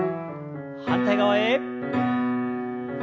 反対側へ。